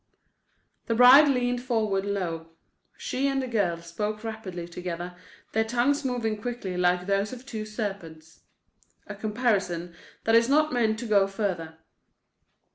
The bride leaned forward low. She and the girl spoke rapidly together, their tongues moving quickly like those of two serpents—a comparison that is not meant to go further.